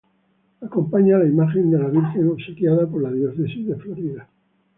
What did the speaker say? Acompaña la imagen de la Virgen, obsequiada por la diócesis de Florida.